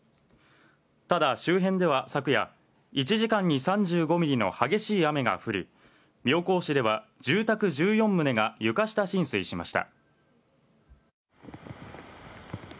ただ周辺では昨夜１時間に３５ミリの激しい雨が降り、妙高市では、住宅１４棟が床下浸水しました。